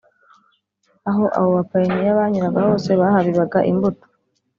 Aho abo bapayiniya banyuraga hose bahabibaga imbuto